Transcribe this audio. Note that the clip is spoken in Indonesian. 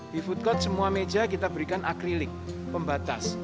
di food court semua meja kita berikan akrilik pembatas